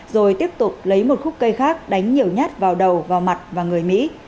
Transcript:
rồi tiếp tục lấy một khúc cây khác đánh nhiều nhát vào đầu vào mặt và người mỹ